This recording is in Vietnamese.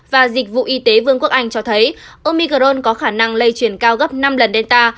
và dịch vụ y tế vương quốc anh cho thấy omigaron có khả năng lây chuyển cao gấp năm lần delta